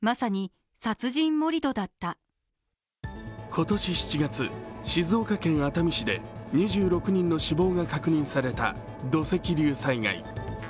今年７月、静岡県熱海市で２６人の死亡が確認された土石流災害。